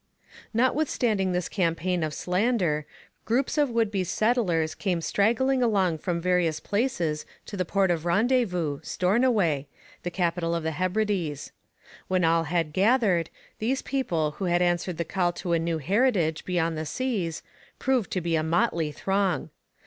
Notwithstanding this campaign of slander, groups of would be settlers came straggling along from various places to the port of rendezvous, Stornoway, the capital of the Hebrides. When all had gathered, these people who had answered the call to a new heritage beyond the seas proved to be a motley throng.